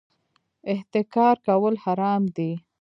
احتکار کول حرام دي